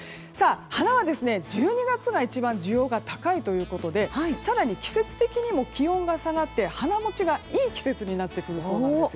花は、１２月が一番需要が高いということで更に季節的にも気温が下がって花もちがいい季節になってくるんです。